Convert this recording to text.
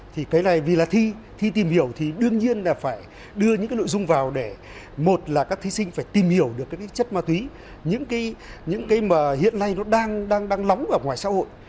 thì cái này vì là thi thi tìm hiểu thì đương nhiên là phải đưa những cái nội dung vào để một là các thí sinh phải tìm hiểu được cái chất ma túy những cái mà hiện nay nó đang lóng ở ngoài xã hội